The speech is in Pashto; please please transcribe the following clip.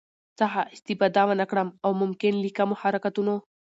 څخه استفاده ونکړم او ممکن له کمو حرکتونو